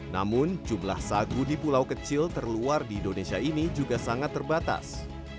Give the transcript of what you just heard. namun jumlah sagu di pulau kecil terluar di indonesia ini juga sangat terbatas